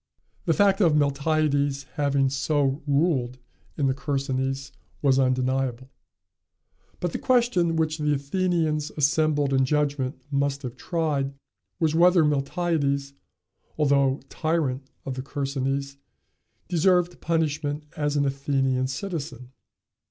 The fact of Miltiades having so ruled in the Chersonese was undeniable; but the question which the Athenians assembled in judgment must have tried, was whether Miltiades, although tyrant of the Chersonese, deserved punishment as an Athenian citizen.